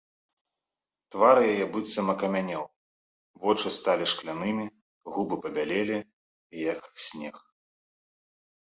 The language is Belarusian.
Твар яе быццам акамянеў, вочы сталі шклянымі, губы пабялелі, як снег.